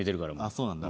そうなんだ。